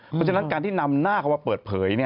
เพราะฉะนั้นการที่นำหน้าเขามาเปิดเผย